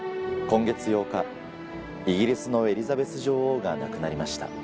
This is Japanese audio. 今月８日イギリスのエリザベス女王が亡くなりました。